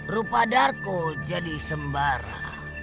rupa darko jadi sembara